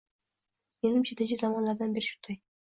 Menimcha, necha zamonlardan beri shunday